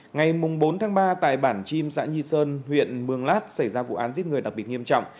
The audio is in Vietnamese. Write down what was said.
ngày bốn tháng ba tại bản chim xã nhi sơn huyện mường lát xảy ra vụ án giết người đặc biệt nghiêm trọng